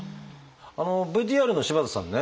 ＶＴＲの柴田さんね